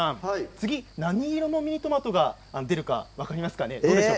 次は何色のミニトマトが出るか分かりますか？